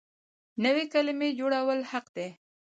نوې کلمې جوړول حق دی.